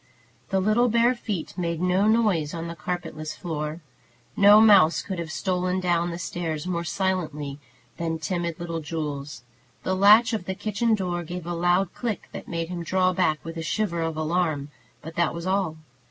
The little bare feet made no noise on the carpetless floor. No mouse could have stolen down the stairs more silently than timid little Jules. The latch of the kitchen door gave a loud click that made him draw back with a shiver of alarm; but that was all.